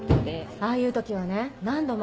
ああいう時はね